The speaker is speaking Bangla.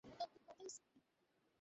ভালো করে দেখার কী আছে?